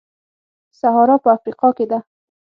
سهارا په افریقا کې ده.